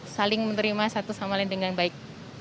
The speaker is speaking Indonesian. dan juga kita saling menerima satu sama lain dengan baik